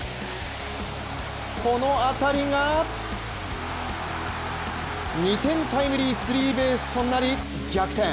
この当たりが２点タイムリースリーベースとなり逆転。